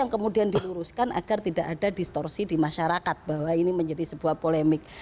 yang kemudian diluruskan agar tidak ada distorsi di masyarakat bahwa ini menjadi sebuah polemik